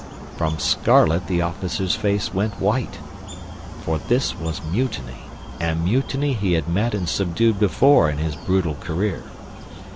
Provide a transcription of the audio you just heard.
From scarlet the officer's face went white, for this was mutiny; and mutiny he had met and subdued before in his brutal career.